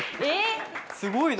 すごいな！